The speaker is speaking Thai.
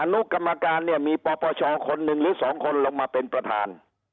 นุกรรมการเนี่ยมีปปชคนหนึ่งหรือ๒คนลงมาเป็นประธาน